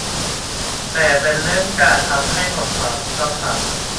แต่เป็นเรื่องการ ทำให้หมดความชอบธรรม